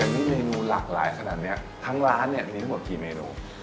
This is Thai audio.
อันนี้เมนูหลากหลายขนาดนี้ทั้งร้านเนี่ยมีทั้งหมดกี่เมนู